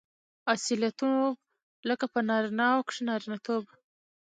اصیلتوب؛ لکه په نارينه وو کښي نارينه توب.